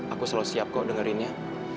aku selalu siap kok dengerinnya